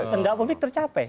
pendak publik tercapek